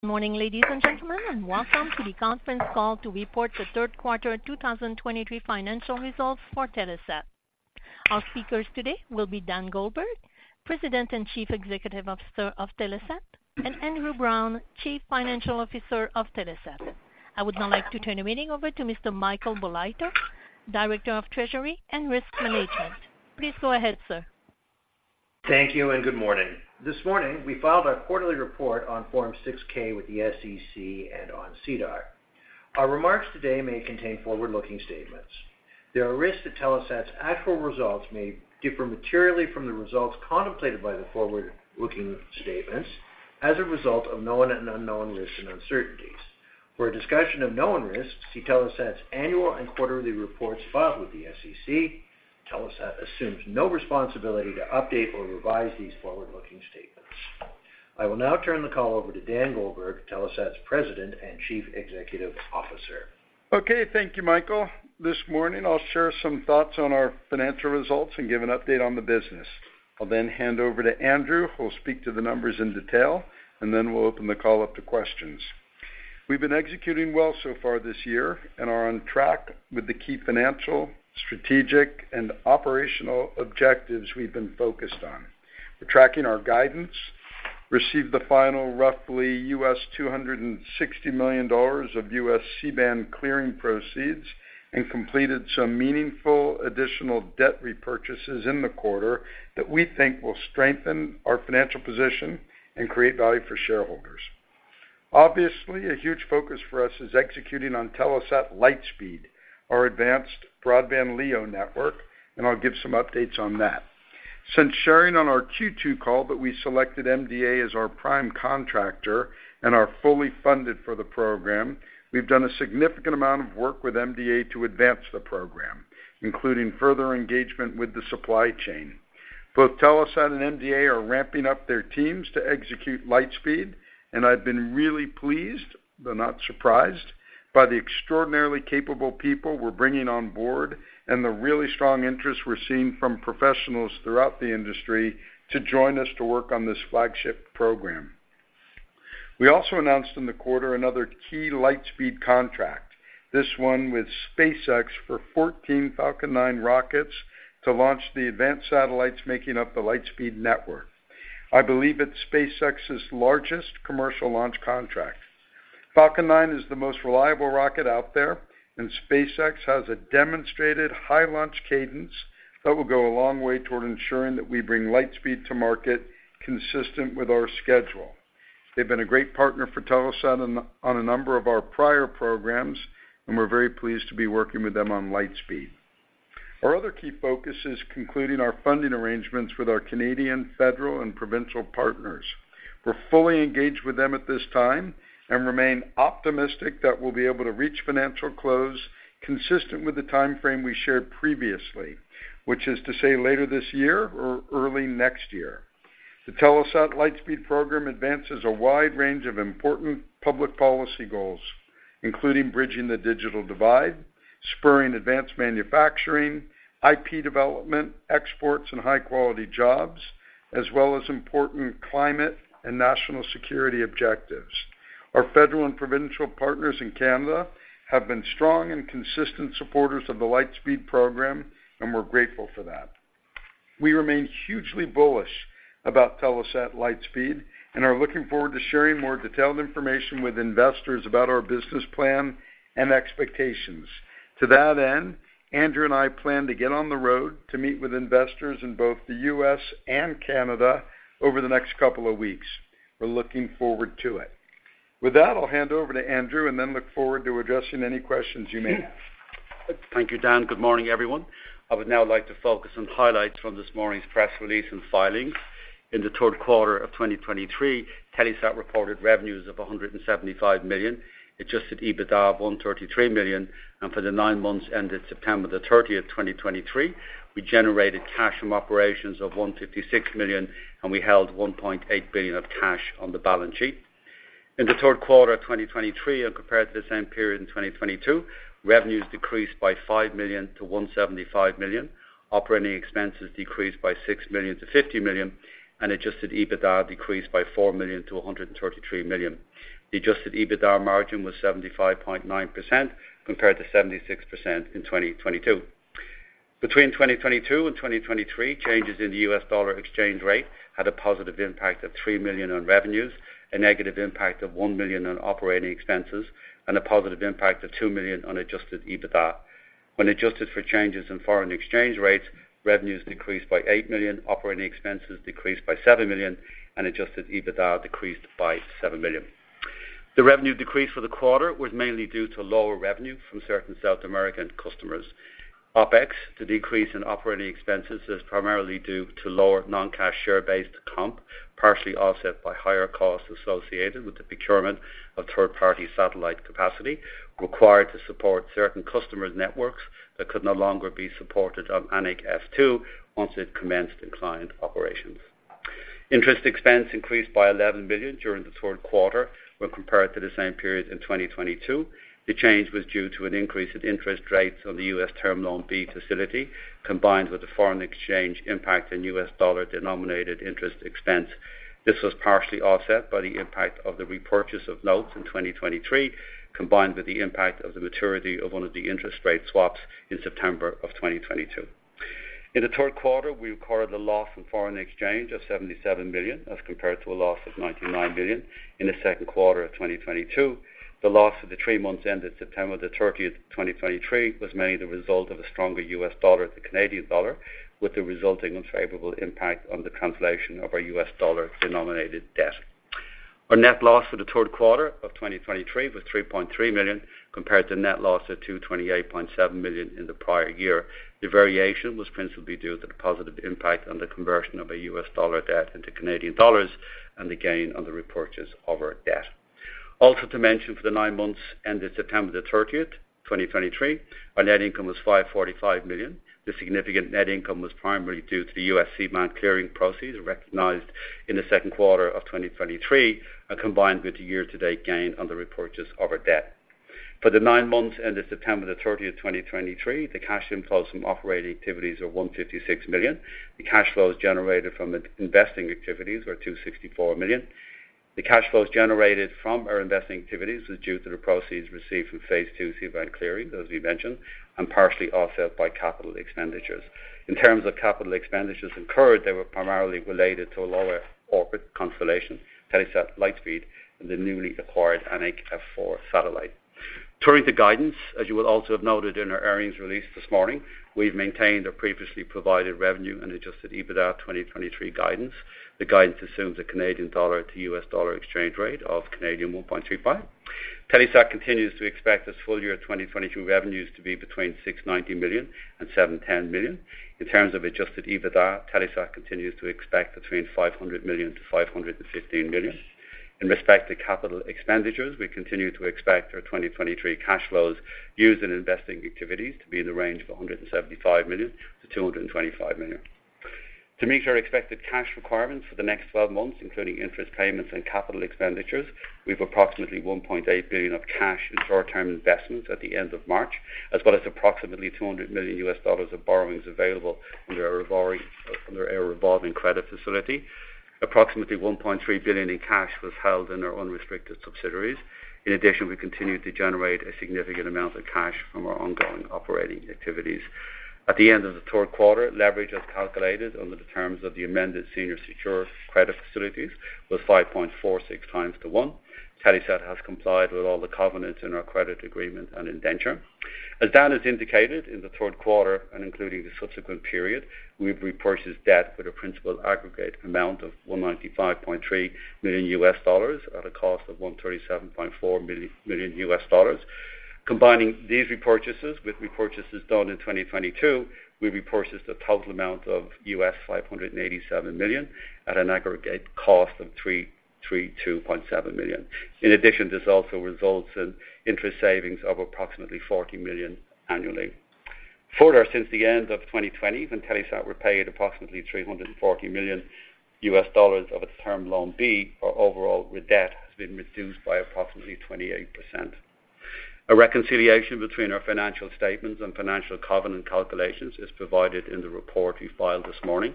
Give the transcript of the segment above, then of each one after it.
Good morning, ladies and gentlemen, and welcome to the conference call to report the Third Quarter 2023 Financial Results for Telesat. Our speakers today will be Dan Goldberg, President and Chief Executive Officer of Telesat, and Andrew Browne, Chief Financial Officer of Telesat. I would now like to turn the meeting over to Mr. Michael Bolitho, Director of Treasury and Risk Management. Please go ahead, sir. Thank you, and good morning. This morning, we filed our quarterly report on Form 6-K with the SEC and on SEDAR. Our remarks today may contain forward-looking statements. There are risks that Telesat's actual results may differ materially from the results contemplated by the forward-looking statements as a result of known and unknown risks and uncertainties. For a discussion of known risks, see Telesat's annual and quarterly reports filed with the SEC. Telesat assumes no responsibility to update or revise these forward-looking statements. I will now turn the call over to Dan Goldberg, Telesat's President and Chief Executive Officer. Okay, thank you, Michael. This morning, I'll share some thoughts on our financial results and give an update on the business. I'll then hand over to Andrew, who will speak to the numbers in detail, and then we'll open the call up to questions. We've been executing well so far this year and are on track with the key financial, strategic, and operational objectives we've been focused on. We're tracking our guidance, received the final, roughly $260 million of U.S. C-band clearing proceeds, and completed some meaningful additional debt repurchases in the quarter that we think will strengthen our financial position and create value for shareholders. Obviously, a huge focus for us is executing on Telesat Lightspeed, our advanced broadband LEO network, and I'll give some updates on that. Since sharing on our Q2 call that we selected MDA as our prime contractor and are fully funded for the program, we've done a significant amount of work with MDA to advance the program, including further engagement with the supply chain. Both Telesat and MDA are ramping up their teams to execute Lightspeed, and I've been really pleased, but not surprised, by the extraordinarily capable people we're bringing on board and the really strong interest we're seeing from professionals throughout the industry to join us to work on this flagship program. We also announced in the quarter another key Lightspeed contract, this one with SpaceX, for 14 Falcon 9 rockets to launch the advanced satellites making up the Lightspeed network. I believe it's SpaceX's largest commercial launch contract. Nine is the most reliable rocket out there, and SpaceX has a demonstrated high launch cadence that will go a long way toward ensuring that we bring Lightspeed to market consistent with our schedule. They've been a great partner for Telesat on a number of our prior programs, and we're very pleased to be working with them on Lightspeed. Our other key focus is concluding our funding arrangements with our Canadian federal and provincial partners. We're fully engaged with them at this time and remain optimistic that we'll be able to reach financial close, consistent with the timeframe we shared previously, which is to say, later this year or early next year. The Telesat Lightspeed program advances a wide range of important public policy goals, including bridging the digital divide, spurring advanced manufacturing, IP development, exports, and high-quality jobs, as well as important climate and national security objectives. Our federal and provincial partners in Canada have been strong and consistent supporters of the Lightspeed program, and we're grateful for that. We remain hugely bullish about Telesat Lightspeed and are looking forward to sharing more detailed information with investors about our business plan and expectations. To that end, Andrew and I plan to get on the road to meet with investors in both the U.S. and Canada over the next couple of weeks. We're looking forward to it. With that, I'll hand over to Andrew and then look forward to addressing any questions you may have. Thank you, Dan. Good morning, everyone. I would now like to focus on highlights from this morning's press release and filings. In the third quarter of 2023, Telesat reported revenues of $175 million, adjusted EBITDA of $133 million, and for the nine months ended 30 September 2023, we generated cash from operations of $156 million, and we held $1.8 billion of cash on the balance sheet. In the third quarter of 2023, and compared to the same period in 2022, revenues decreased by $5 million to $175 million, operating expenses decreased by $6 million to $50 million, and adjusted EBITDA decreased by $4 million to $133 million. The adjusted EBITDA margin was 75.9%, compared to 76% in 2022. Between 2022 and 2023, changes in the U.S. dollar exchange rate had a positive impact of $3 million on revenues, a negative impact of $1 million on operating expenses, and a positive impact of $2 million on Adjusted EBITDA. When adjusted for changes in foreign exchange rates, revenues decreased by $8 million, operating expenses decreased by $7 million, and Adjusted EBITDA decreased by $7 million. The revenue decrease for the quarter was mainly due to lower revenue from certain South American customers. OpEx, the decrease in operating expenses, is primarily due to lower non-cash share-based comp, partially offset by higher costs associated with the procurement of third-party satellite capacity required to support certain customers' networks that could no longer be supported on Anik F2 once it commenced inclined operations. Interest expense increased by $11 million during the third quarter when compared to the same period in 2022. The change was due to an increase in interest rates on the U.S. Term Loan B facility, combined with the foreign exchange impact in U.S. dollar-denominated interest expense. This was partially offset by the impact of the repurchase of notes in 2023, combined with the impact of the maturity of one of the interest rate swaps in September of 2022. In the third quarter, we recorded a loss in foreign exchange of $77 million, as compared to a loss of $99 million in the second quarter of 2022. The loss of the three months ended 30 September 2023, was mainly the result of a stronger U.S. dollar to Canadian dollar, with the resulting unfavorable impact on the translation of our U.S. dollar-denominated debt. Our net loss for the third quarter of 2023 was $3.3 million, compared to net loss of $228.7 million in the prior year. The variation was principally due to the positive impact on the conversion of a U.S. dollar debt into Canadian dollars and the gain on the repurchase of our debt. Also to mention, for the nine months ended 30 September 2023, our net income was $545 million. The significant net income was primarily due to the U.S. C-band clearing proceeds recognized in the second quarter of 2023, and combined with the year-to-date gain on the repurchase of our debt. For the nine months ended 30 September 2023, the cash inflows from operating activities are $156 million. The cash flows generated from investing activities were $264 million. The cash flows generated from our investing activities was due to the proceeds received from phase two C-band clearing, as we mentioned, and partially offset by capital expenditures. In terms of capital expenditures incurred, they were primarily related to a lower orbit constellation, Telesat Lightspeed, and the newly acquired Anik F4 satellite. Turning to guidance, as you will also have noted in our earnings release this morning, we've maintained our previously provided revenue and Adjusted EBITDA 2023 guidance. The guidance assumes a Canadian dollar to US dollar exchange rate of 1.25. Telesat continues to expect its full year 2022 revenues to be between $690 million to $710 million. In terms of Adjusted EBITDA, Telesat continues to expect $500 million to $515 million. With respect to capital expenditures, we continue to expect our 2023 cash flows used in investing activities to be in the range of $175 million to $225 million. To meet our expected cash requirements for the next 12 months, including interest payments and capital expenditures, we have approximately $1.8 billion of cash and short-term investments at the end of March, as well as approximately $200 million of borrowings available under our revolving, under our revolving credit facility. Approximately $1.3 billion in cash was held in our unrestricted subsidiaries. In addition, we continued to generate a significant amount of cash from our ongoing operating activities. At the end of the third quarter, leverage, as calculated under the terms of the amended senior secured credit facilities, was 5.46x. Telesat has complied with all the covenants in our credit agreement and indenture. As Dan has indicated, in the third quarter and including the subsequent period, we've repurchased debt with a principal aggregate amount of $195.3 million at a cost of $137.4 million. Combining these repurchases with repurchases done in 2022, we've repurchased a total amount of $587 million at an aggregate cost of $332.7 million. In addition, this also results in interest savings of approximately $40 million annually. Further, since the end of 2020, when Telesat repaid approximately $340 million of its Term Loan B, our overall debt has been reduced by approximately 28%. A reconciliation between our financial statements and financial covenant calculations is provided in the report we filed this morning.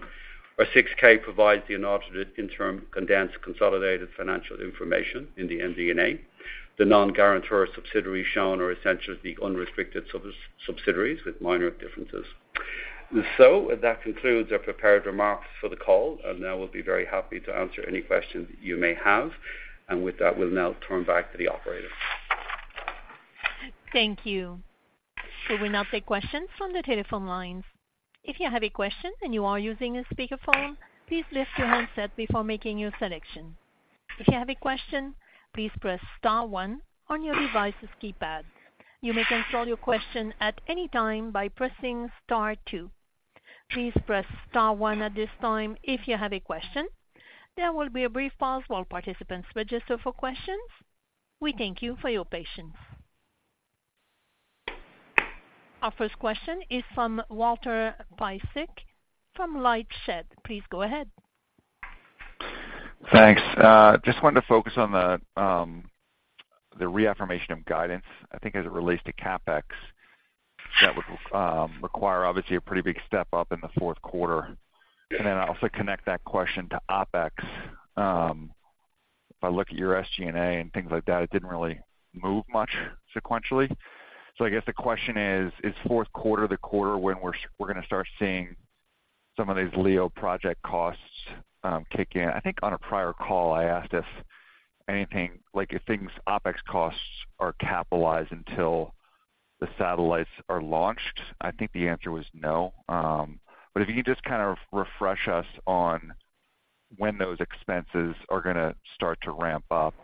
Our 6-K provides the unaudited interim condensed consolidated financial information in the MD&A. The non-guarantor subsidiaries shown are essentially the unrestricted subs-subsidiaries with minor differences. So that concludes our prepared remarks for the call, and now we'll be very happy to answer any questions you may have. And with that, we'll now turn back to the operator. Thank you. We will now take questions from the telephone lines. If you have a question and you are using a speakerphone, please lift your handset before making your selection. If you have a question, please press star one on your device's keypad. You may withdraw your question at any time by pressing star two. Please press star one at this time if you have a question. There will be a brief pause while participants register for questions. We thank you for your patience. Our first question is from Walt Piecyk from LightShed. Please go ahead. Thanks. Just wanted to focus on the reaffirmation of guidance, I think as it relates to CapEx, that would require obviously a pretty big step up in the fourth quarter. And then I'll also connect that question to OpEx. If I look at your SG&A and things like that, it didn't really move much sequentially. So I guess the question is: Is fourth quarter the quarter when we're gonna start seeing some of these LEO project costs kick in? I think on a prior call, I asked if anything, like, if things, OpEx costs are capitalized until the satellites are launched. I think the answer was no. But if you could just kind of refresh us on when those expenses are gonna start to ramp up.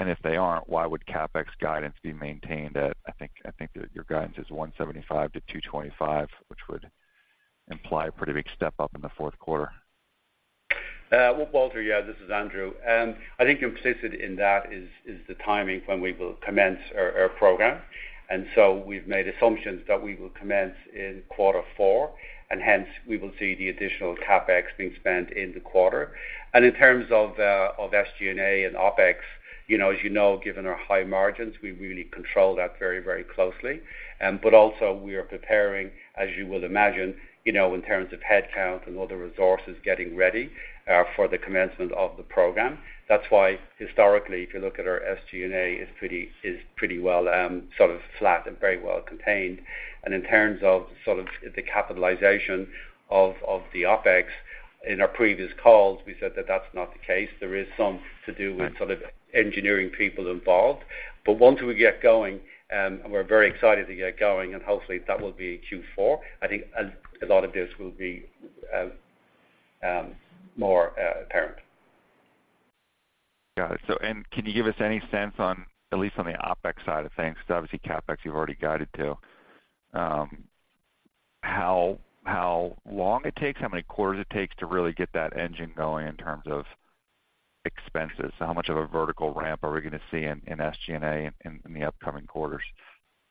And if they aren't, why would CapEx guidance be maintained at I think, I think your guidance is $175-$225, which would imply a pretty big step up in the fourth quarter. Well, Walt, yeah, this is Andrew. I think you're implicit in that is the timing when we will commence our program. And so we've made assumptions that we will commence in quarter four, and hence, we will see the additional CapEx being spent in the quarter. And in terms of SG&A and OpEx, you know, as you know, given our high margins, we really control that very, very closely. But also we are preparing, as you would imagine, you know, in terms of headcount and other resources, getting ready for the commencement of the program. That's why historically, if you look at our SG&A, it's pretty well sort of flat and very well contained. And in terms of sort of the capitalization of the OpEx, in our previous calls, we said that that's not the case. There is some to do with sort of engineering people involved. But once we get going, and we're very excited to get going, and hopefully, that will be Q4, I think a lot of this will be more apparent. Got it. So can you give us any sense on, at least on the OpEx side of things, because obviously, CapEx, you've already guided to, how long it takes, how many quarters it takes to really get that engine going in terms of expenses? So how much of a vertical ramp are we gonna see in SG&A in the upcoming quarters?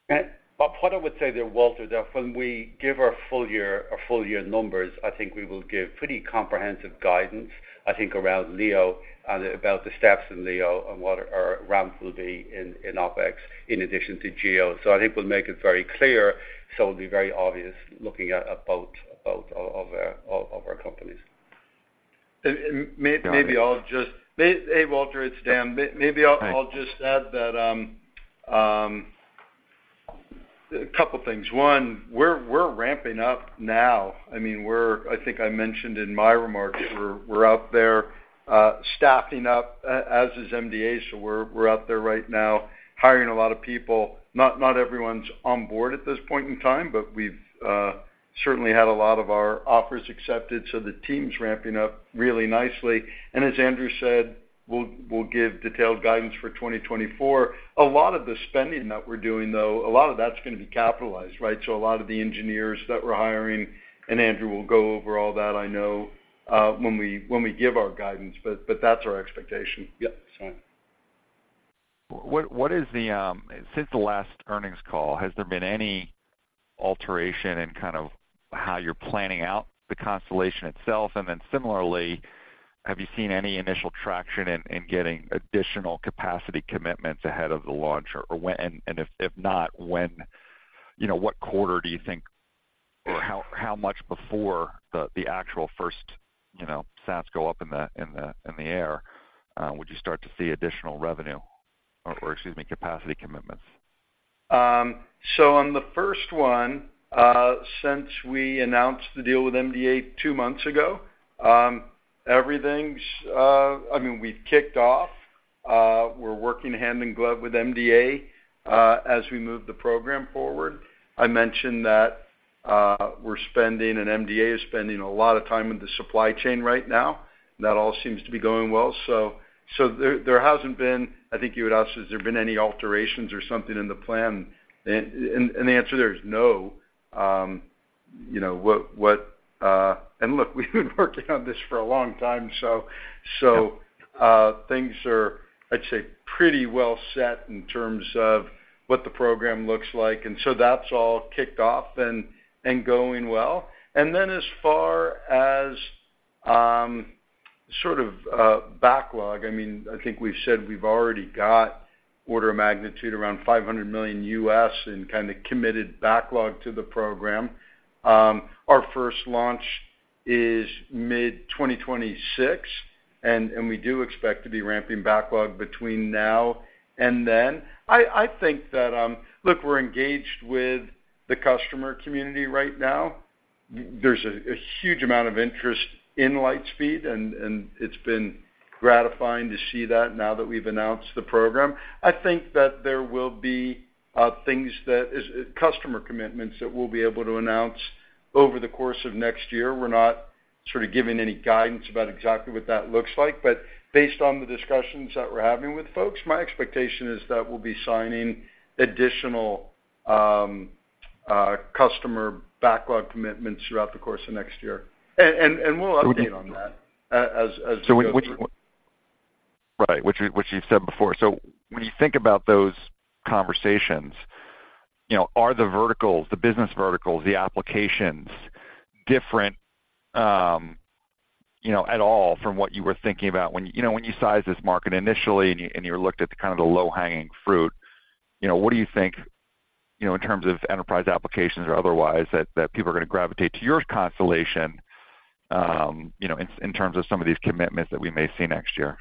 What I would say there, Walter, that when we give our full year, our full year numbers, I think we will give pretty comprehensive guidance, I think, around LEO and about the steps in LEO and what our ramps will be in OpEx in addition to GEO. So I think we'll make it very clear, so it'll be very obvious looking at about of our companies. Maybe I'll just. Hey, Walt, it's Dan. Maybe I'll Hi. I'll just add that, a couple of things. One, we're ramping up now. I mean, we're I think I mentioned in my remarks, we're out there staffing up, as is MDA. So we're out there right now hiring a lot of people. Not everyone's on board at this point in time, but we've certainly had a lot of our offers accepted, so the team's ramping up really nicely. And as Andrew said, we'll give detailed guidance for 2024. A lot of the spending that we're doing, though, a lot of that's going to be capitalized, right? So a lot of the engineers that we're hiring, and Andrew will go over all that, I know, when we give our guidance, but that's our expectation. Yep. Fine. Since the last earnings call, has there been any alteration in kind of how you're planning out the constellation itself? And then similarly, have you seen any initial traction in getting additional capacity commitments ahead of the launch? And if not, when, you know, what quarter do you think, or how much before the actual first, you know, sats go up in the air, would you start to see additional revenue or, excuse me, capacity commitments? So on the first one, since we announced the deal with MDA two months ago, everything's. I mean, we've kicked off. We're working hand in glove with MDA as we move the program forward. I mentioned that we're spending, and MDA is spending a lot of time in the supply chain right now. That all seems to be going well. So there hasn't been, I think you would ask, has there been any alterations or something in the plan? And the answer there is no. You know, what and look, we've been working on this for a long time, so Yeah. Things are, I'd say, pretty well set in terms of what the program looks like, and so that's all kicked off and going well. And then as far as sort of backlog, I mean, I think we've said we've already got order of magnitude around $500 million in kind of committed backlog to the program. Our first launch is mid-2026, and we do expect to be ramping backlog between now and then. I think that look, we're engaged with the customer community right now. There's a huge amount of interest in Lightspeed, and it's been gratifying to see that now that we've announced the program. I think that there will be things that customer commitments that we'll be able to announce over the course of next year. We're not sort of giving any guidance about exactly what that looks like, but based on the discussions that we're having with folks, my expectation is that we'll be signing additional customer backlog commitments throughout the course of next year. And we'll update on that as we go through. Right, which you've said before. So when you think about those conversations, you know, are the verticals, the business verticals, the applications different, you know, at all from what you were thinking about when. You know, when you sized this market initially, and you looked at kind of the low-hanging fruit, you know, what do you think, you know, in terms of enterprise applications or otherwise, that people are going to gravitate to your constellation, you know, in terms of some of these commitments that we may see next year?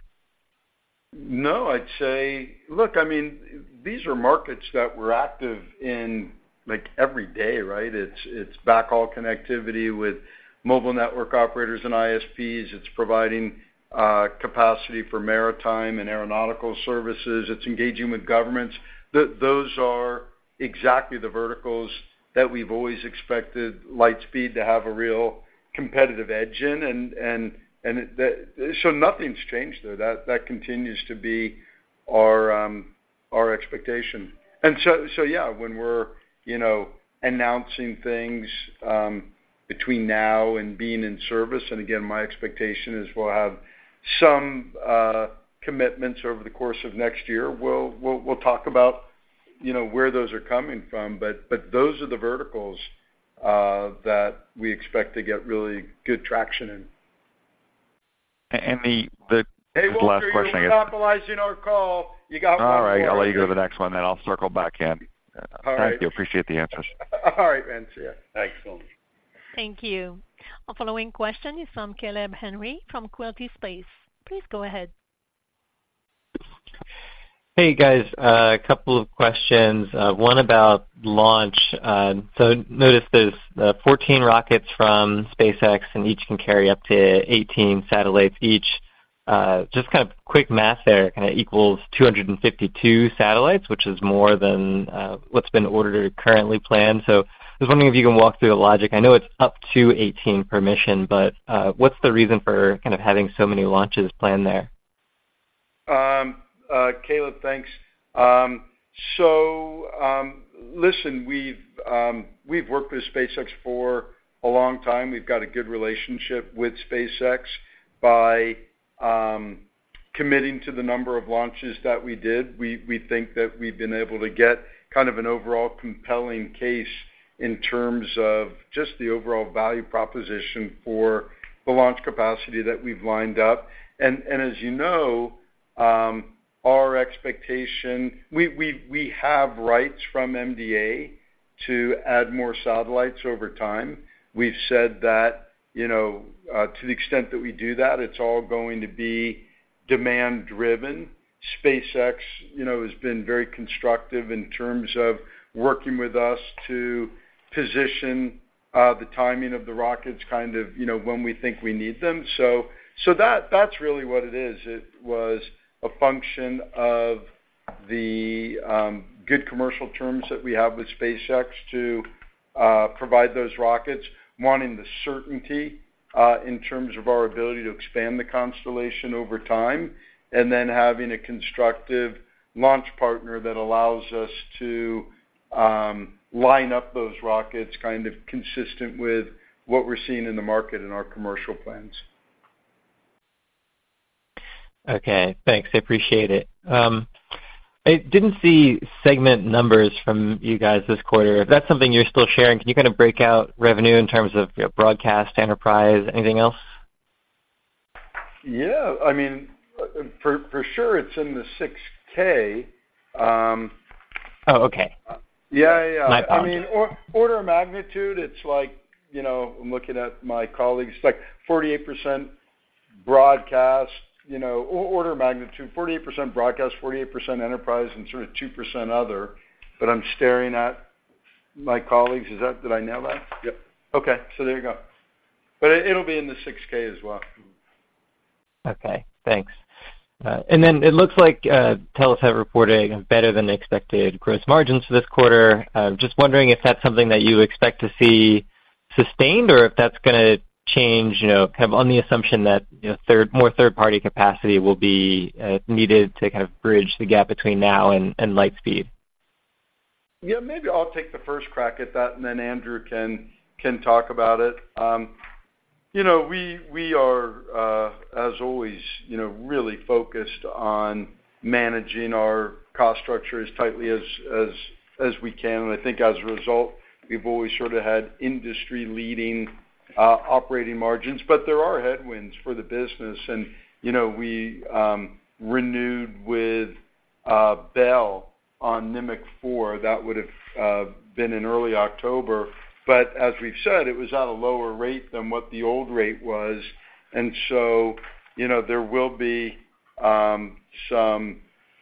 No, I'd say. Look, I mean, these are markets that we're active in, like, every day, right? It's backhaul connectivity with mobile network operators and ISPs. It's providing capacity for maritime and aeronautical services. It's engaging with governments. Those are exactly the verticals that we've always expected Lightspeed to have a real competitive edge in. And so nothing's changed there. That continues to be our expectation. And so yeah, when we're, you know, announcing things between now and being in service, and again, my expectation is we'll have some commitments over the course of next year. We'll talk about, you know, where those are coming from, but those are the verticals that we expect to get really good traction in. And, and the, the Hey, Walter, Last question, I guess. You're monopolizing our call. You got one more. All right, I'll let you go to the next one, then I'll circle back in. All right. Thank you. Appreciate the answers. All right, man. See you. Thanks, Walt. Thank you. Our following question is from Caleb Henry from Quilty Space. Please go ahead. Hey, guys, a couple of questions, one about launch. So noticed there's 14 rockets from SpaceX, and each can carry up to 18 satellites each. Just kind of quick math there, kind of equals 252 satellites, which is more than what's been ordered or currently planned. So I was wondering if you can walk through the logic. I know it's up to 18 per mission, but what's the reason for kind of having so many launches planned there? Caleb, thanks. So, listen, we've worked with SpaceX for a long time. We've got a good relationship with SpaceX. By committing to the number of launches that we did, we think that we've been able to get kind of an overall compelling case in terms of just the overall value proposition for the launch capacity that we've lined up. And as you know, our expectation, we have rights from MDA to add more satellites over time. We've said that, you know, to the extent that we do that, it's all going to be demand-driven. SpaceX, you know, has been very constructive in terms of working with us to position the timing of the rockets, kind of, you know, when we think we need them. So that's really what it is. It was a function of the good commercial terms that we have with SpaceX to provide those rockets, wanting the certainty in terms of our ability to expand the constellation over time, and then having a constructive launch partner that allows us to line up those rockets, kind of consistent with what we're seeing in the market in our commercial plans. Okay, thanks. I appreciate it. I didn't see segment numbers from you guys this quarter. If that's something you're still sharing, can you kind of break out revenue in terms of, you know, broadcast, enterprise, anything else? Yeah. I mean, for sure, it's in the 6-K. Oh, okay. Yeah, yeah. My apologies. I mean, order of magnitude, it's like, you know, I'm looking at my colleagues, like 48% broadcast, you know, order of magnitude, 48% enterprise, and sort of 2% other. But I'm staring at my colleagues. Is that, did I nail that? Yep. Okay, so there you go. But it, it'll be in the 6-K as well. Okay, thanks. And then it looks like Telesat reported better than expected gross margins for this quarter. I'm just wondering if that's something that you expect to see sustained, or if that's gonna change, you know, kind of on the assumption that, you know, more third-party capacity will be needed to kind of bridge the gap between now and Lightspeed. Yeah, maybe I'll take the first crack at that, and then Andrew can talk about it. You know, we are, as always, you know, really focused on managing our cost structure as tightly as we can. And I think as a result, we've always sort of had industry-leading operating margins. But there are headwinds for the business. And, you know, we renewed with Bell on Nimiq four. That would've been in early October. But as we've said, it was at a lower rate than what the old rate was. And so, you know, there will be some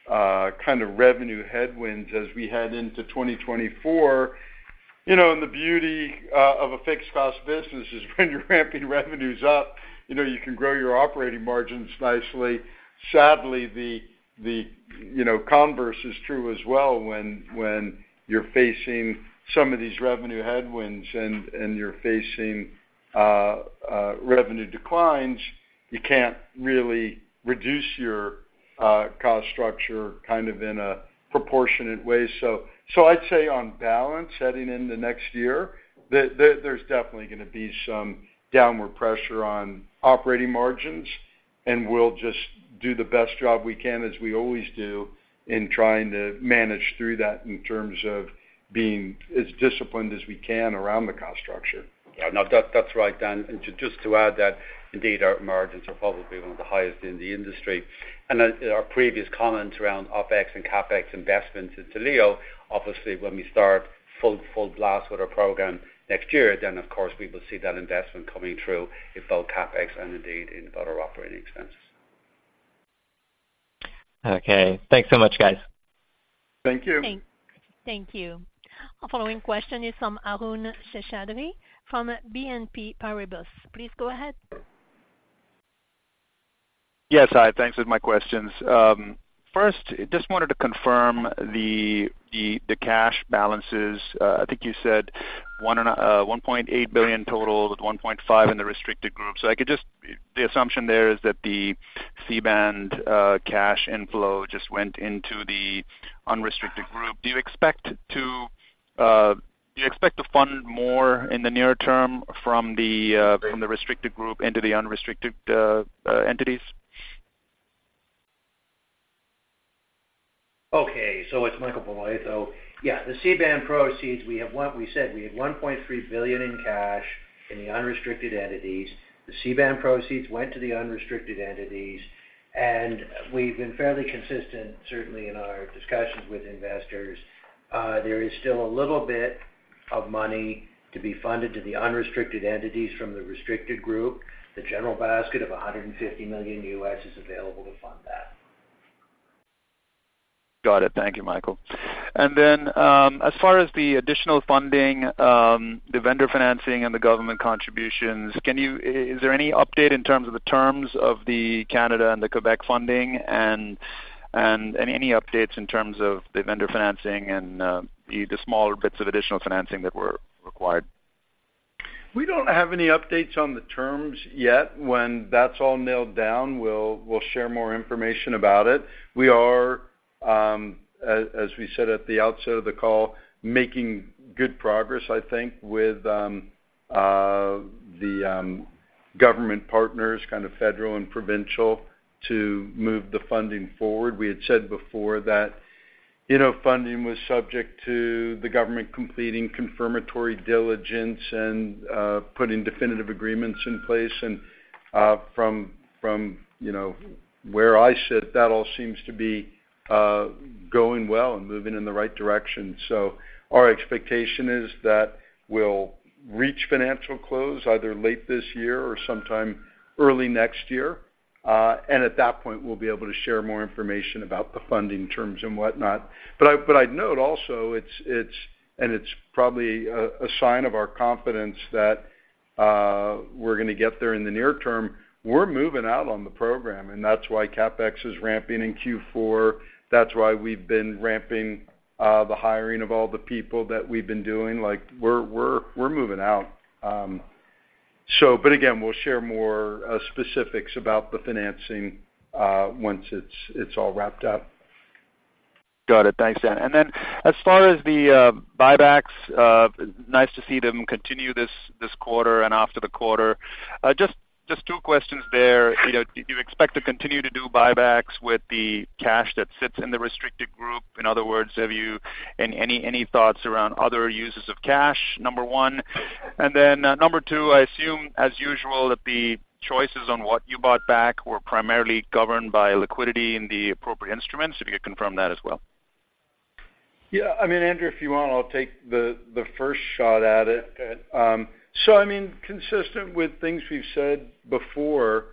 kind of revenue headwinds as we head into 2024. You know, and the beauty of a fixed-cost business is when you're ramping revenues up, you know, you can grow your operating margins nicely. Sadly, you know, the converse is true as well, when you're facing some of these revenue headwinds and you're facing revenue declines, you can't really reduce your cost structure kind of in a proportionate way. So I'd say on balance, heading into next year, there's definitely gonna be some downward pressure on operating margins, and we'll just do the best job we can, as we always do, in trying to manage through that in terms of being as disciplined as we can around the cost structure. Yeah, no, that, that's right, Dan. And to just add that, indeed, our margins are probably one of the highest in the industry. And then our previous comments around OpEx and CapEx investments into LEO, obviously, when we start full blast with our program next year, then, of course, we will see that investment coming through in both CapEx and indeed in other operating expenses. Okay. Thanks so much, guys. Thank you. Thank you. Our following question is from Arun Seshadri, from BNP Paribas. Please go ahead. Yes, hi. Thanks for my questions. First, just wanted to confirm the cash balances. I think you said $1.8 billion total, with $1.5 in the restricted group. So the assumption there is that the C-band cash inflow just went into the unrestricted group. Do you expect to fund more in the near term from the restricted group into the unrestricted entities? Okay. So it's Michael Bolitho. So, yeah, the C-band proceeds, we have one, we said we had $1.3 billion in cash in the unrestricted entities. The C-band proceeds went to the unrestricted entities, and we've been fairly consistent, certainly in our discussions with investors. There is still a little bit of money to be funded to the unrestricted entities from the restricted group. The general basket of $150 million is available to fund that. Got it. Thank you, Michael. And then, as far as the additional funding, the vendor financing and the government contributions, is there any update in terms of the terms of the Canada and the Quebec funding and any updates in terms of the vendor financing and the smaller bits of additional financing that were required? We don't have any updates on the terms yet. When that's all nailed down, we'll share more information about it. We are, as we said at the outset of the call, making good progress, I think, with the government partners, kind of federal and provincial, to move the funding forward. We had said before that, you know, funding was subject to the government completing confirmatory diligence and putting definitive agreements in place. And from, you know, where I sit, that all seems to be going well and moving in the right direction. So our expectation is that we'll reach financial close either late this year or sometime early next year. And at that point, we'll be able to share more information about the funding terms and whatnot. But I'd note also, it's and it's probably a sign of our confidence that we're gonna get there in the near term. We're moving out on the program, and that's why CapEx is ramping in Q4. That's why we've been ramping the hiring of all the people that we've been doing. Like, we're moving out. So but again, we'll share more specifics about the financing once it's all wrapped up. Got it. Thanks, Dan. And then as far as the buybacks, nice to see them continue this quarter and after the quarter. Just two questions there. You know, do you expect to continue to do buybacks with the cash that sits in the restricted group? In other words, have you any thoughts around other uses of cash? Number one, and then number two, I assume, as usual, that the choices on what you bought back were primarily governed by liquidity in the appropriate instruments. If you could confirm that as well. Yeah. I mean, Andrew, if you want, I'll take the first shot at it. So I mean, consistent with things we've said before,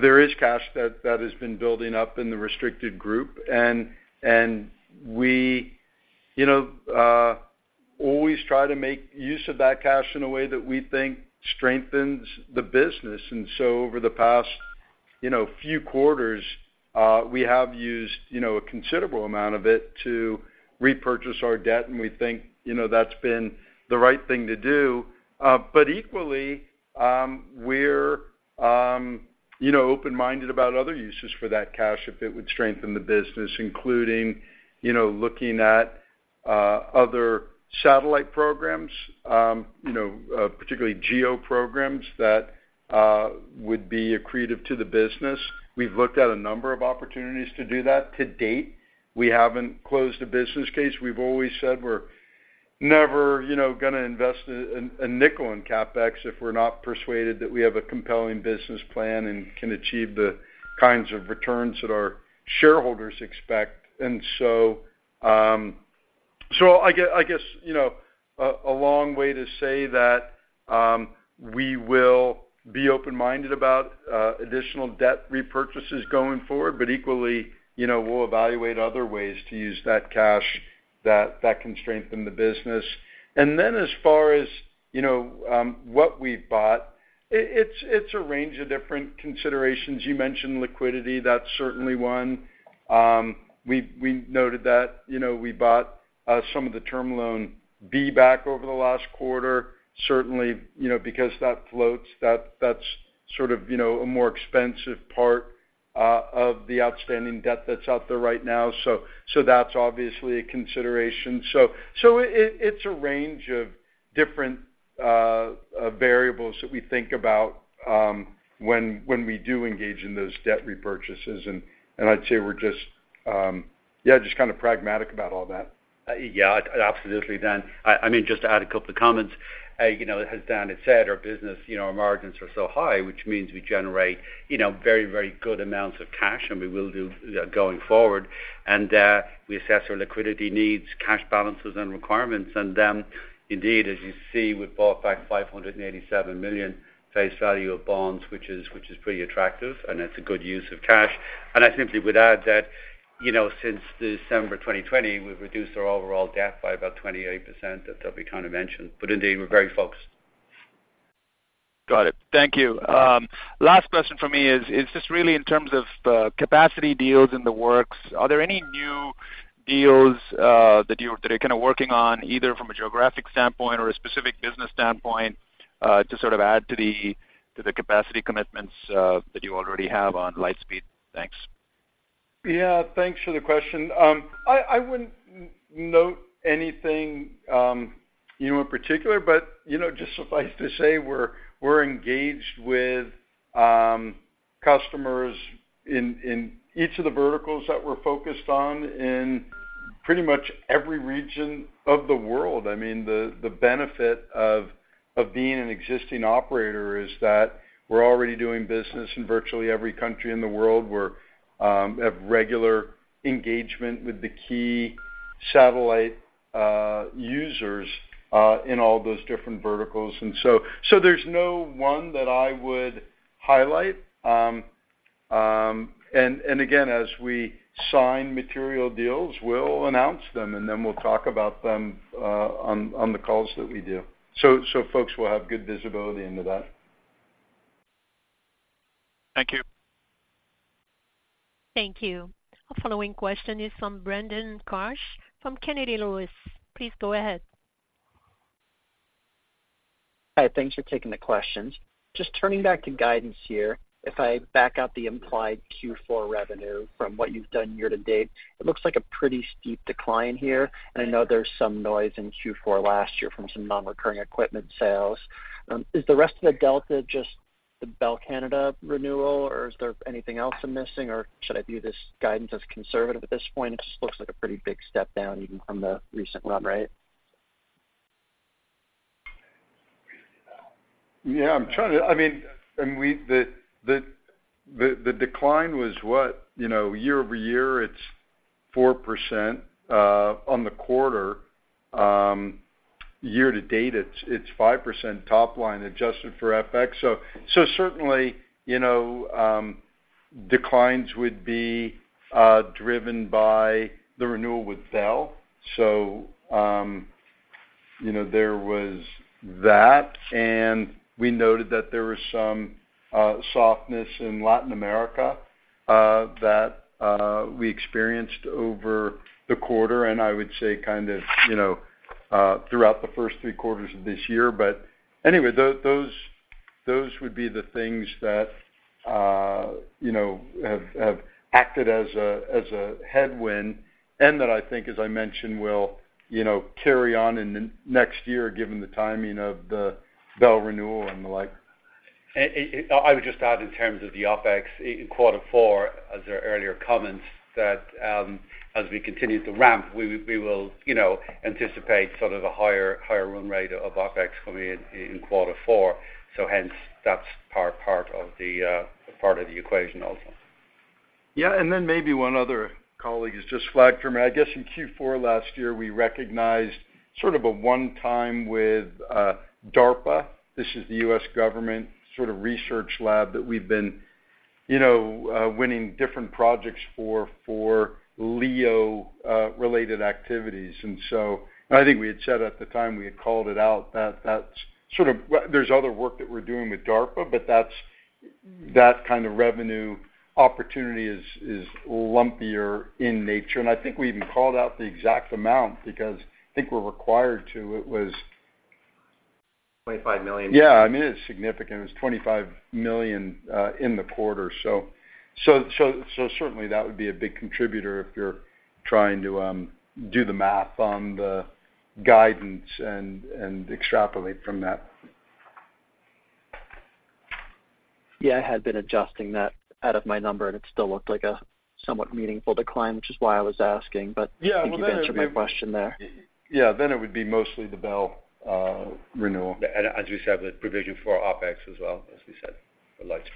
there is cash that has been building up in the restricted group. And we, you know, always try to make use of that cash in a way that we think strengthens the business. And so over the past, you know, few quarters, we have used, you know, a considerable amount of it to repurchase our debt, and we think, you know, that's been the right thing to do. But equally, we're, you know, open-minded about other uses for that cash if it would strengthen the business, including, you know, looking at other satellite programs, you that would be accretive to the business. We've looked at a number of opportunities to do that. To date, we haven't closed a business case. We've always said we're never, you know, gonna invest a nickel in CapEx if we're not persuaded that we have a compelling business plan and can achieve the kinds of returns that our shareholders expect. And so, so I guess, you know, a long way to say that, we will be open-minded about additional debt repurchases going forward, but equally, you know, we'll evaluate other ways to use that cash that can strengthen the business. And then as far as, you know, what we've bought, it's a range of different considerations. You mentioned liquidity. That's certainly one. We've noted that, you know, we bought some of the Term Loan B back over the last quarter, certainly, you know, because that floats, that's sort of, you know, a more expensive part of the outstanding debt that's out there right now. So that's obviously a consideration. So it's a range of different variables that we think about when we do engage in those debt repurchases. And I'd say we're just, yeah, just kind of pragmatic about all that. Yeah, absolutely, Dan. I mean, just to add a couple of comments. You know, as Dan had said, our business, you know, our margins are so high, which means we generate, you know, very, very good amounts of cash, and we will do going forward. And we assess our liquidity needs, cash balances, and requirements, and then indeed, as you see, we've bought back $587 million face value of bonds, which is pretty attractive, and that's a good use of cash. And I simply would add that, you know, since December 2020, we've reduced our overall debt by about 28%, that we kind of mentioned. But indeed, we're very focused. Got it. Thank you. Last question from me is just really in terms of capacity deals in the works. Are there any new deals that are kind of working on, either from a geographic standpoint or a specific business standpoint, to sort of add to the capacity commitments that you already have on Lightspeed? Thanks. Yeah, thanks for the question. I wouldn't note anything, you know, in particular, but, you know, just suffice to say, we're engaged with customers in each of the verticals that we're focused on in pretty much every region of the world. I mean, the benefit of being an existing operator is that we're already doing business in virtually every country in the world. We have regular engagement with the key satellite users in all those different verticals. And so there's no one that I would highlight. And again, as we sign material deals, we'll announce them, and then we'll talk about them on the calls that we do. So folks will have good visibility into that. Thank you. Thank you. Our following question is from Brandon Karsch, from Kennedy Lewis. Please go ahead. Hi, thanks for taking the questions. Just turning back to guidance here. If I back out the implied Q4 revenue from what you've done year to date, it looks like a pretty steep decline here, and I know there's some noise in Q4 last year from some nonrecurring equipment sales. Is the rest of the delta just the Bell Canada renewal, or is there anything else I'm missing, or should I view this guidance as conservative at this point? It just looks like a pretty big step down even from the recent run rate. Yeah, I'm trying to I mean, and we the decline was what? You know, year-over-year, it's 4% on the quarter. Year to date, it's 5% top line, adjusted for FX. So certainly, you know, declines would be driven by the renewal with Bell. So you know, there was that, and we noted that there was some softness in Latin America that we experienced over the quarter, and I would say kind of, you know, throughout the first three quarters of this year. But anyway, those would be the things that you know have acted as a headwind, and that I think, as I mentioned, will you know carry on in the next year, given the timing of the Bell renewal and the like. I would just add in terms of the OpEx in quarter four, as our earlier comments, that, as we continue to ramp, we will, you know, anticipate sort of a higher run rate of OpEx coming in quarter four. So hence, that's part of the equation also. Yeah, and then maybe one other colleague has just flagged for me. I guess in Q4 last year, we recognized sort of a one-time with DARPA. This is the U.S. government sort of research lab that we've been, you know, winning different projects for, for LEO related activities. And so I think we had said at the time we had called it out, that that's sort of. There's other work that we're doing with DARPA, but that's, that kind of revenue opportunity is, is lumpier in nature. And I think we even called out the exact amount because I think we're required to. It was- Twenty-five million. Yeah, I mean, it's significant. It's $25 million in the quarter. So certainly, that would be a big contributor if you're trying to do the math on the guidance and extrapolate from that. Yeah, I had been adjusting that out of my number, and it still looked like a somewhat meaningful decline, which is why I was asking. Yeah, well, then- But I think you answered my question there. Yeah. Then it would be mostly the Bell renewal. As you said, the provision for OpEx as well, as we said, the likes.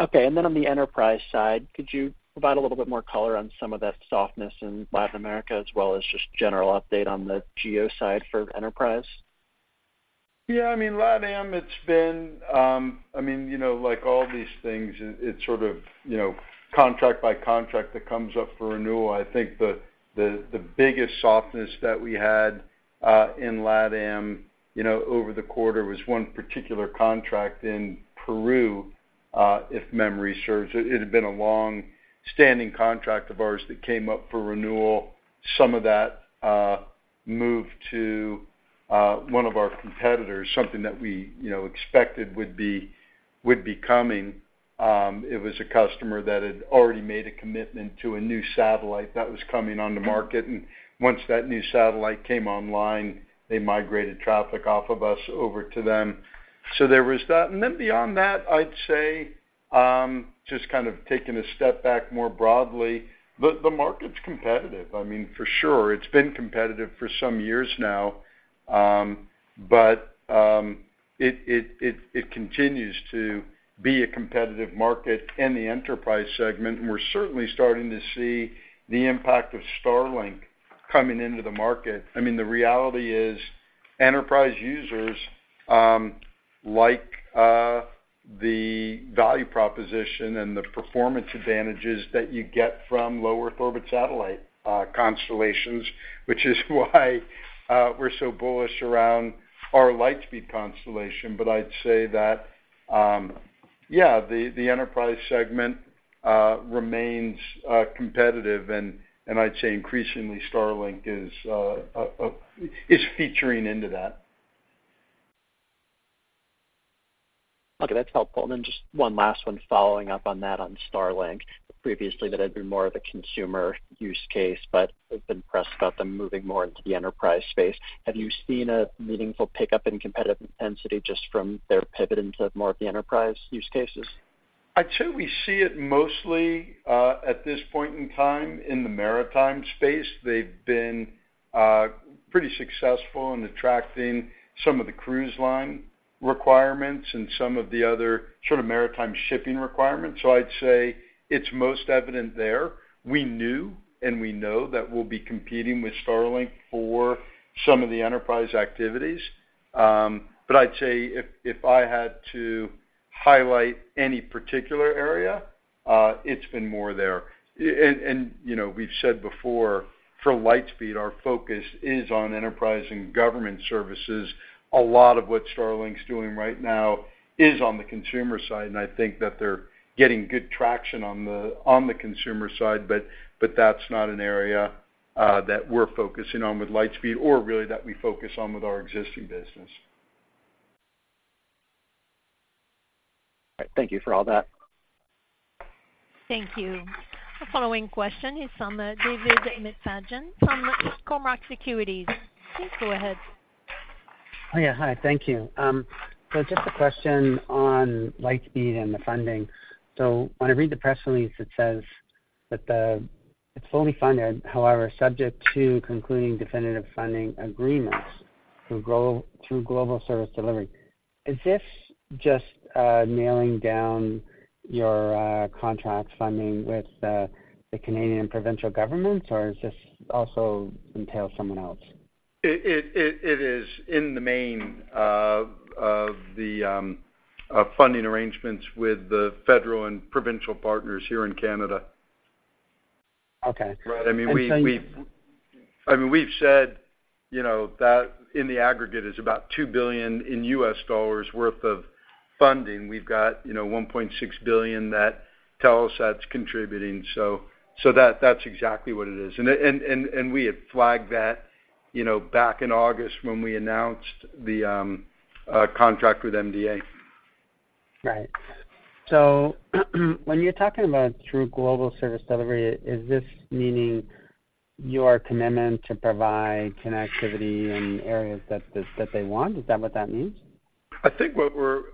Okay. And then on the enterprise side, could you provide a little bit more color on some of that softness in Latin America, as well as just general update on the GEO side for enterprise? Yeah, I mean, LatAm, it's been, I mean, you know, like all these things, it sort of, you know, contract by contract that comes up for renewal. I think the biggest softness that we had in LatAm, you know, over the quarter was one particular contract in Peru, if memory serves. It had been a long-standing contract of ours that came up for renewal. Some of that moved to one of our competitors, something that we, you know, expected would be coming. It was a customer that had already made a commitment to a new satellite that was coming on the market, and once that new satellite came online, they migrated traffic off of us over to them. So there was that. And then beyond that, I'd say, just kind of taking a step back more broadly, the market's competitive. I mean, for sure, it's been competitive for some years now. It continues to be a competitive market in the enterprise segment, and we're certainly starting to see the impact of Starlink coming into the market. I mean, the reality is, enterprise users like the value proposition and the performance advantages that you get from low Earth orbit satellite constellations, which is why we're so bullish around our Lightspeed constellation. But I'd say that the enterprise segment remains competitive, and I'd say increasingly, Starlink is featuring into that. ... Okay, that's helpful. And then just one last one following up on that on Starlink. Previously, that had been more of a consumer use case, but we've been pressed about them moving more into the enterprise space. Have you seen a meaningful pickup in competitive intensity just from their pivot into more of the enterprise use cases? I'd say we see it mostly, at this point in time, in the maritime space. They've been, pretty successful in attracting some of the cruise line requirements and some of the other sort of maritime shipping requirements. So I'd say it's most evident there. We knew, and we know that we'll be competing with Starlink for some of the enterprise activities. But I'd say if, if I had to highlight any particular area, it's been more there. And, and, you know, we've said before, for Lightspeed, our focus is on enterprise and government services. A lot of what Starlink's doing right now is on the consumer side, and I think that they're getting good traction on the, on the consumer side, but, but that's not an area, that we're focusing on with Lightspeed or really that we focus on with our existing business. All right. Thank you for all that. Thank you. The following question is from David McFadgen from Cormark Securities. Please go ahead. Oh, yeah. Hi, thank you. So just a question on Lightspeed and the funding. So when I read the press release, it says that it's fully funded, however, subject to concluding definitive funding agreements through global service delivery. Is this just nailing down your contract funding with the Canadian provincial governments, or is this also entails someone else? It is in the main of the funding arrangements with the federal and provincial partners here in Canada. Okay. Right. I mean, we've said, you know, that in the aggregate is about $2 billion worth of funding. We've got, you know, $1.6 billion that Telesat's contributing. So that, that's exactly what it is. And we had flagged that, you know, back in August when we announced the contract with MDA. Right. So when you're talking about true global service delivery, is this meaning your commitment to provide connectivity in areas that they want? Is that what that means? I think what we're,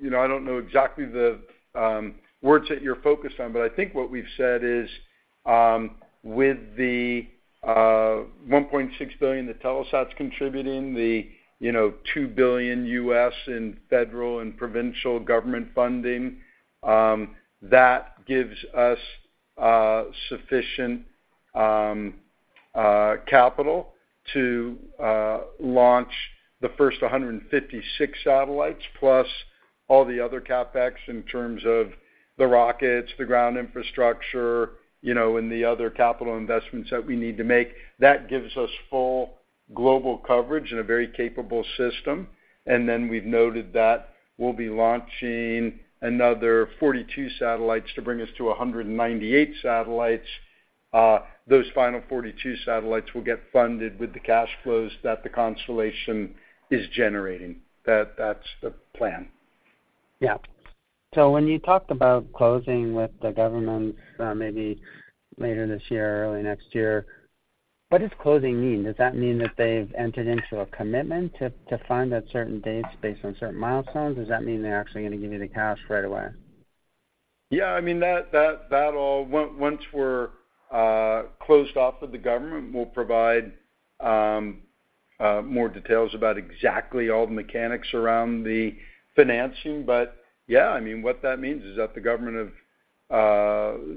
you know, I don't know exactly the words that you're focused on, but I think what we've said is, with the $1.6 billion that Telesat's contributing, the, you know, $2 billion in federal and provincial government funding, that gives us sufficient capital to launch the first 156 satellites, plus all the other CapEx in terms of the rockets, the ground infrastructure, you know, and the other capital investments that we need to make. That gives us full global coverage and a very capable system. And then we've noted that we'll be launching another 42 satellites to bring us to 198 satellites. Those final 42 satellites will get funded with the cash flows that the constellation is generating. That, that's the plan. Yeah. So when you talked about closing with the government, maybe later this year or early next year, what does closing mean? Does that mean that they've entered into a commitment to fund at certain dates based on certain milestones? Does that mean they're actually going to give you the cash right away? Yeah, I mean, that all once we're closed off with the government, we'll provide more details about exactly all the mechanics around the financing. But yeah, I mean, what that means is that the government of,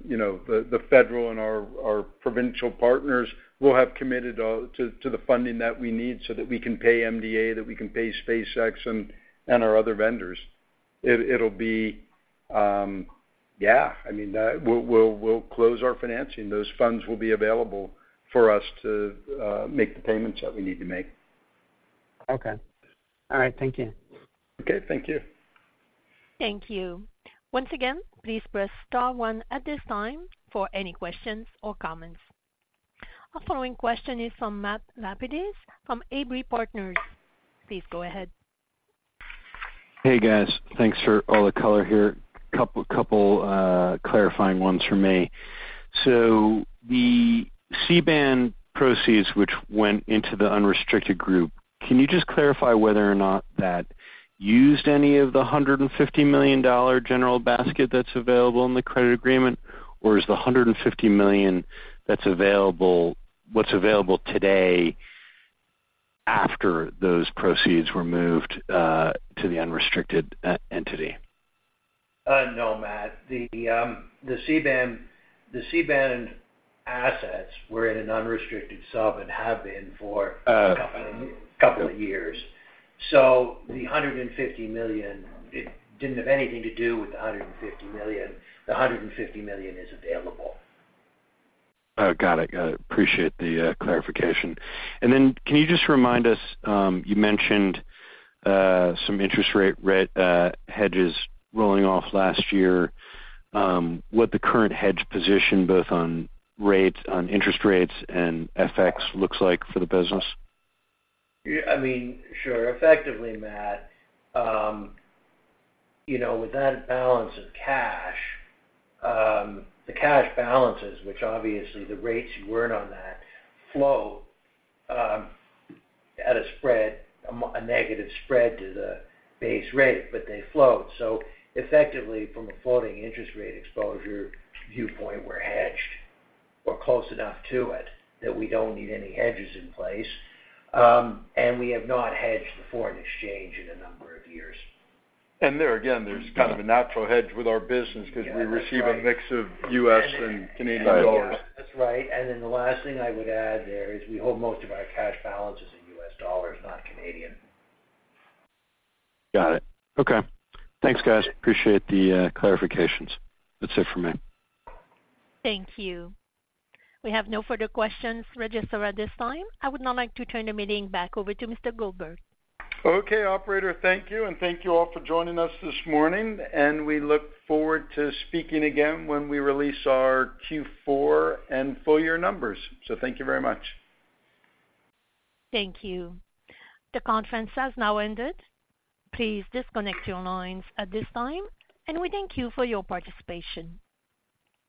you know, the federal and our provincial partners will have committed to the funding that we need so that we can pay MDA, that we can pay SpaceX and our other vendors. It'll be, yeah, I mean, we'll close our financing. Those funds will be available for us to make the payments that we need to make. Okay. All right. Thank you. Okay. Thank you. Thank you. Once again, please press star one at this time for any questions or comments. Our following question is from Matt Lapides, from Abry Partners. Please go ahead. Hey, guys. Thanks for all the color here. A couple of clarifying ones from me. So the C-band proceeds, which went into the unrestricted group, can you just clarify whether or not that used any of the $150 million general basket that's available in the credit agreement? Or is the $150 million that's available, what's available today after those proceeds were moved to the unrestricted entity? No, Matt. The C-band assets were in an unrestricted sub and have been for- Uh. A couple of years. So the $150 million, it didn't have anything to do with the $150 million. The $150 million is available. Oh, got it. Appreciate the clarification. And then can you just remind us, you mentioned some interest rate hedges rolling off last year, what the current hedge position, both on rates, on interest rates and FX, looks like for the business? Yeah, I mean, sure. Effectively, Matt, you know, with that balance of cash, the cash balances, which obviously the rates you weren't on that, flow, at a negative spread to the base rate, but they flow. So effectively, from a floating interest rate exposure viewpoint, we're hedged or close enough to it, that we don't need any hedges in place. And we have not hedged the foreign exchange in a number of years. There again, there's kind of a natural hedge with our business because we receive a mix of U.S. and Canadian dollars. Yeah, that's right. Then the last thing I would add there is we hold most of our cash balances in U.S. dollars, not Canadian. Got it. Okay. Thanks, guys. Appreciate the clarifications. That's it for me. Thank you. We have no further questions registered at this time. I would now like to turn the meeting back over to Mr. Goldberg. Okay, operator, thank you. Thank you all for joining us this morning, and we look forward to speaking again when we release our Q4 and full year numbers. Thank you very much. Thank you. The conference has now ended. Please disconnect your lines at this time, and we thank you for your participation.